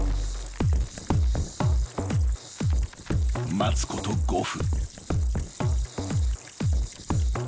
［待つこと５分］